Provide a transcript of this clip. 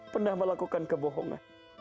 pernah melakukan kebohongan